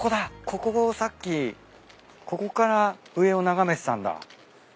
ここをさっきここから上を眺めてたんだ。